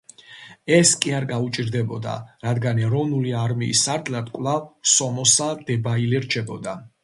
ეს კი არ გაუჭირდებოდა, რადგან ეროვნული არმიის სარდლად კვლავ სომოსა დებაილე რჩებოდა.